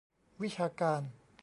วิชาการ